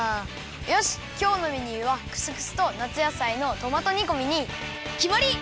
よしきょうのメニューはクスクスと夏野菜のトマト煮こみにきまり！